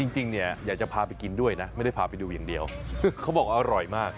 จริงเนี่ยอยากจะพาไปกินด้วยนะไม่ได้พาไปดูอย่างเดียวเขาบอกอร่อยมาก